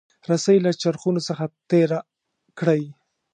رسۍ له چرخونو څخه تیره کړئ.